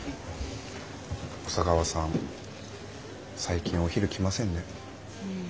小佐川さん最近お昼来ませんね。